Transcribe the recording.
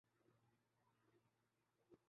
اعظمی کو گاڑی کی پچھلی